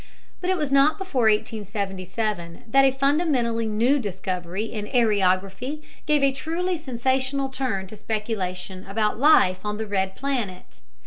But it was not before 1877 that a fundamentally new discovery in areography gave a truly sensational turn to speculation about life on "the red planet."